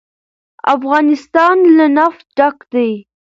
افغانستان له نفت ډک دی.